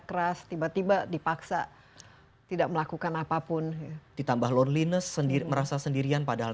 keras tiba tiba dipaksa tidak melakukan apapun ditambah loneliness sendiri merasa sendirian padahal